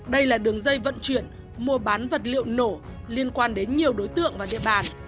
đây là đường dây vận chuyển mua bán vật liệu nổ liên quan đến nhiều đối tượng và địa bàn